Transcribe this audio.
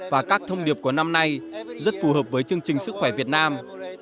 và các thông điệp của năm nay rất phù hợp với chương trình sức khỏe việt nam